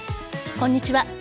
こんにちは。